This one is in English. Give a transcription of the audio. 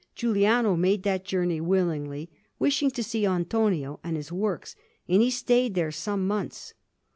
Giuliano made that journey willingly, wishing to see Antonio and his works; and he stayed there some months.